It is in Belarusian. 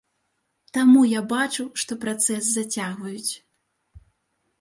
Таму я бачу, што працэс зацягваюць.